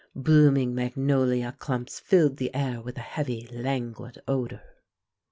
Blooming magnolia clumps filled the air with a heavy, languid odor.